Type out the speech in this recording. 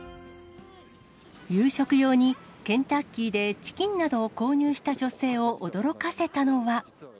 夕食用に、ケンタッキーでチキンなどを購入した女性を驚かせたのは。